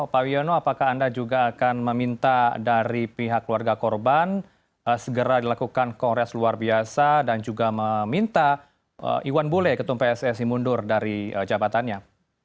pak wiono apakah anda juga akan meminta dari pihak keluarga korban segera dilakukan kongres luar biasa dan juga meminta iwan bule ketum pssi mundur dari jabatannya